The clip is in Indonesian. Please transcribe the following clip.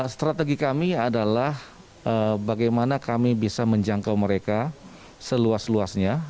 strategi kami adalah bagaimana kami bisa menjangkau mereka seluas luasnya